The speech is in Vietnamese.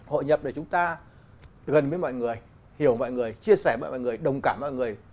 hội nhập để chúng ta gần với mọi người hiểu mọi người chia sẻ mọi người đồng cảm mọi người